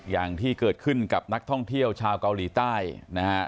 อย่างที่เกิดขึ้นกับนักท่องเที่ยวชาวเกาหลีใต้นะฮะ